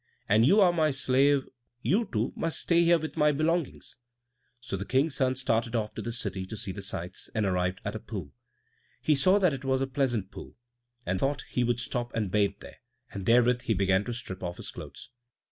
And you are my slave, you, too, must stay here with my belongings." So the King's son started off to the city to see the sights, and arrived at a pool. He saw that it was a pleasant pool, and thought he would stop and bathe there, and therewith he began to strip off his clothes.